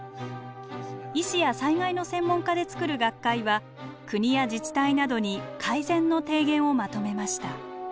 医師や災害の専門家で作る学会は国や自治体などに改善の提言をまとめました。